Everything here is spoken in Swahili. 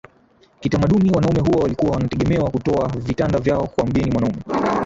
Kitamaduni wanaume huwa walikuwa wanategemewa kutoa vitanda vyao kwa mgeni mwanaume